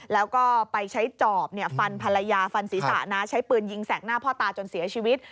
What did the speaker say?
แล้วก็ไปใช้จอบฟันภรรยาฟันศีรษะนะใช้ปืนยิงแสกหน้าพ่อตาจนเสียชีวิต